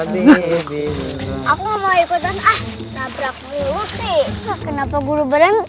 jangan lupa like subscribe dan share video ini